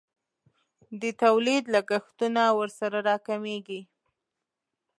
د تولید لګښتونه ورسره راکمیږي.